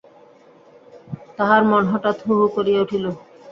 তাহার মন হঠাৎ হু-হু করিয়া উঠিল।